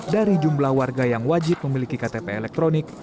dari jumlah warga yang wajib memiliki ktp elektronik